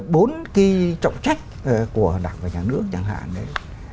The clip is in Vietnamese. bốn cái trọng trách của đảng và nhà nước chẳng hạn đấy